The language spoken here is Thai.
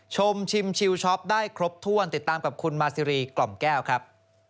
ชมชิมชิวช็อปได้ครบถ้วนติดตามกับคุณมาซีรีกล่อมแก้วครับ